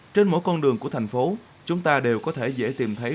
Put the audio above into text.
trên mỗi con đường của thành phố chúng ta đều có thể dễ tìm thấy